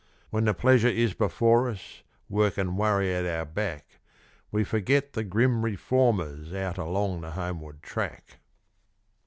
When the pleasure is before us, work and worry at our back, We forget the grim reformers out along the Homeward Track.